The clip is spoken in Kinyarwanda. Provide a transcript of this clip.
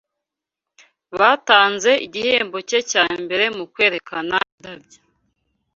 Batanze igihembo cye cya mbere mu kwerekana indabyo.